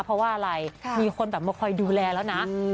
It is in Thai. เพราะว่าอะไรมีคนแบบมาคอยดูแลแล้วนะ